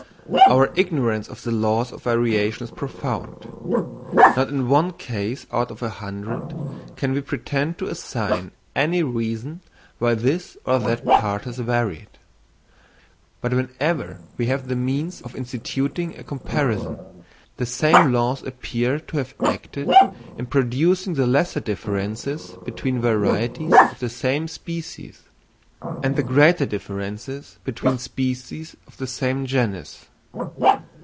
_—Our ignorance of the laws of variation is profound. Not in one case out of a hundred can we pretend to assign any reason why this or that part has varied. But whenever we have the means of instituting a comparison, the same laws appear to have acted in producing the lesser differences between varieties of the same species, and the greater differences between species of the same genus.